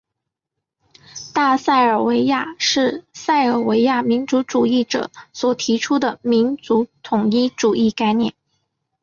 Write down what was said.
大塞尔维亚是塞尔维亚民族主义者所提出的民族统一主义概念。